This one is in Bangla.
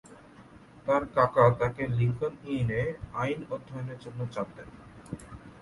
তাঁর কাকা তাঁকে লিংকন ইন এ আইন অধ্যয়নের জন্য চাপ দেন।